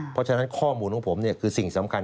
เพราะฉะนั้นข้อมูลของผมคือสิ่งสำคัญ